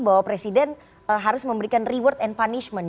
bahwa presiden harus memberikan reward and punishment